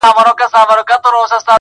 ستا و ما لره بیا دار دی.